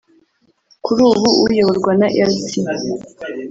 kuri ubu uyoborwa na Lt